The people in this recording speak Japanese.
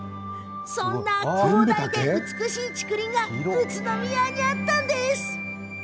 そんな広大で美しい竹林が宇都宮にあったんです。